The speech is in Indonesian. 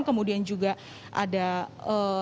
kemudian juga ada ee